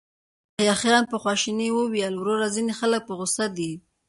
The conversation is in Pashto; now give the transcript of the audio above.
يحيی خان په خواشينۍ وويل: وروره، ځينې خلک په غوسه دي.